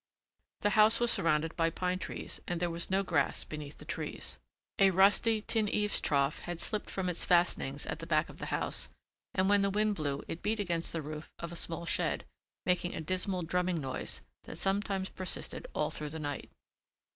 The house was surrounded by pine trees and there was no grass beneath the trees. A rusty tin eaves trough had slipped from its fastenings at the back of the house and when the wind blew it beat against the roof of a small shed, making a dismal drumming noise that sometimes persisted all through the night.